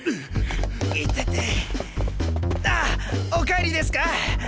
いててあお帰りですか？